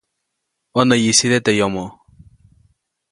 ʼÕnäyʼisite teʼ yomoʼ.